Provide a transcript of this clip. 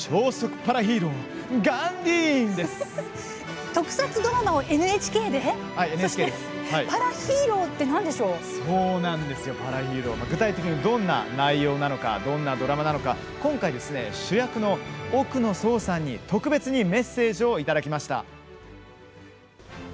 パラヒーロー、どんな内容なのか今回、主役の奥野壮さんに特別にメッセージをいただきました。